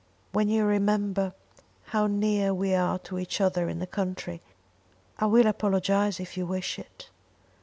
"When you remember how near we are to each other in the country . I will apologise if you wish it."